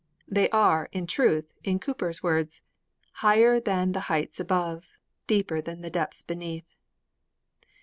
They are, in truth, in Cowper's words: Higher than the heights above, Deeper than the depths beneath.